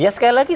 ya sekali lagi